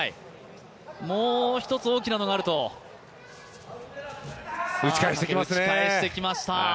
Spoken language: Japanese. もう１つ大きなのがあると打ち返してきました。